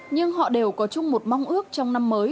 nhưng họ đều có chung một mong ước trong năm mới